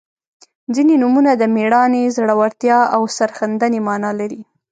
• ځینې نومونه د میړانې، زړورتیا او سرښندنې معنا لري.